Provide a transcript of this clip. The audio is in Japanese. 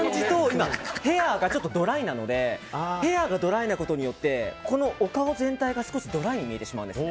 今ヘアがドライなのでヘアがドライなことによってお顔全体が少しドライに見えてしまうんです。